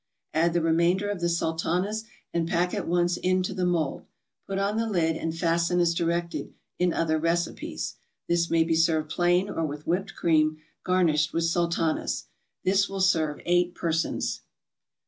Add the remainder of the Sultanas and pack at once into the mold; put on the lid and fasten as directed in other recipes. This may be served plain or with whipped cream garnished with Sultanas. This will serve eight persons.